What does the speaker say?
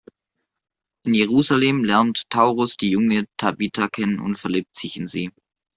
In Jerusalem lernt Taurus die junge Tabitha kennen und verliebt sich in sie.